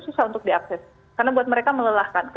susah untuk diakses karena buat mereka melelahkan